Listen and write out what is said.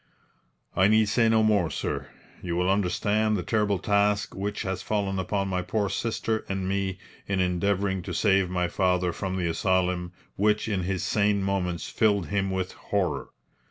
"I need say no more, sir. You will understand the terrible task which has fallen upon my poor sister and me in endeavouring to save my father from the asylum which in his sane moments filled him with horror.